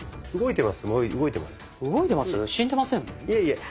いえいえ。